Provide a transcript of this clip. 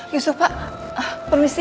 yusuf pak permisi